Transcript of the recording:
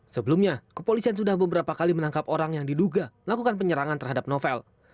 sebelumnya kepolisian sudah beberapa kali menangkap orang yang diduga lakukan penyerangan terhadap novel